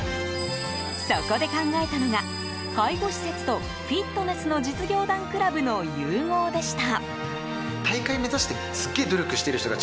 そこで考えたのが介護施設とフィットネスの実業団クラブの融合でした。